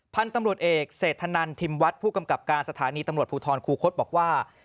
พันธุ์ตำรวจเอกเศรษฐนันทิมวัดผู้กำกับการสถานีตำรวจภูทรคูคศบอกว่า